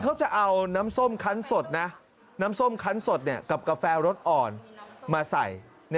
เขาจะเอาน้ำส้มคันสดนะน้ำส้มคันสดกับกาแฟรสอ่อนมาใส่